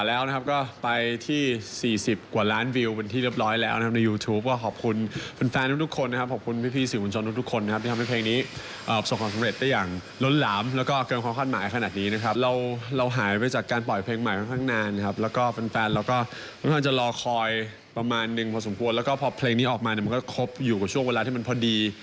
แล้วก็เนื้อหาของเพลงก็ไม่ได้ฟังยากจนเกินไป